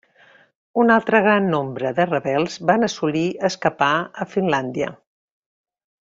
Un altre gran nombre de rebels van assolir escapar a Finlàndia.